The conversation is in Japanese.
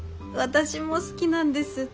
私も好きなんです